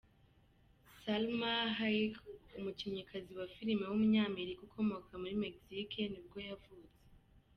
Salma Hayek, umukinnyikazi wa filime w’umunyamerika ukomoka muri Mexique nibwo yavutse.